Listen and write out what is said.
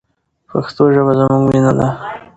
پښتو ژبه زموږ مینه ده.